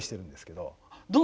どう？